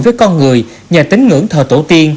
với con người nhờ tính ngưỡng thờ tổ tiên